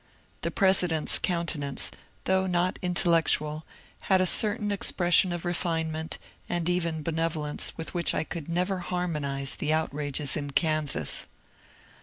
The President's countenance, though not intellectual, had a certain expression of refinement and even benevolence with which I could never harmonize the outrages in Kansas.